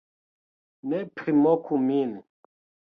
- Ne primoku min